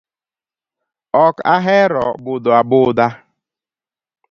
Ok ahero budho abudha.